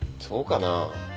そうかなぁ？